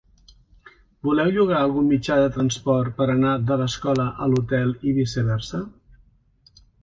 Voleu llogar algun mitjà de transport per anar de l'escola a l'hotel i viceversa?